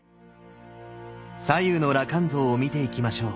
左右の羅漢像を見ていきましょう。